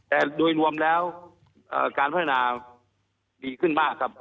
แต่โดยรวมแล้วการพัฒนาดีขึ้นมากครับ